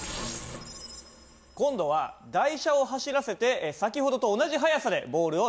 今度は台車を走らせて先ほどと同じ速さでボールを投げてもらいます。